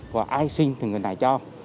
và ai xin thì người này cho